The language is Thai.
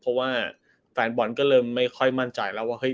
เพราะว่าแฟนบอลก็เริ่มไม่ค่อยมั่นใจแล้วว่าเฮ้